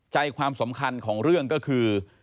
ใจความสำคัญของเรื่องก็คือ